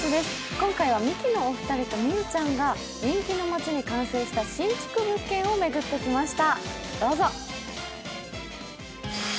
今回はミキのお二人と美羽ちゃんが人気の街に完成した新築物件を巡ってきました。